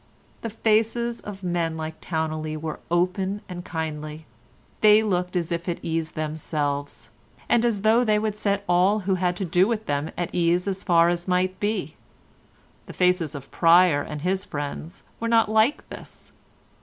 The faces of men like Towneley were open and kindly; they looked as if at ease themselves, and as though they would set all who had to do with them at ease as far as might be. The faces of Pryer and his friends were not like this.